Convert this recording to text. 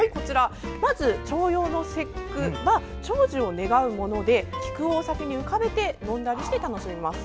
まず重陽の節句は長寿を願うもので、菊をお酒に浮かべて飲んだりして楽しみます。